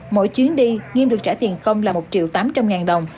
mỗi chuyến đi nghiêm được trả tiền công là một triệu tám trăm linh ngàn đồng